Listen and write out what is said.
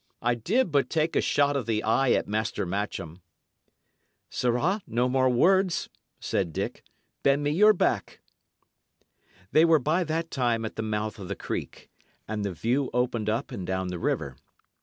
I did but take a shot of the eye at Master Matcham." "Sirrah, no more words," said Dick. "Bend me your back." They were by that time at the mouth of the creek, and the view opened up and down the river.